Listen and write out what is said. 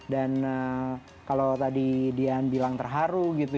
dan kalau tadi dian bilang terharu gitu